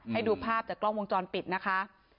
ให้ดูภาพจากกล้องวงจรปิดนะคะ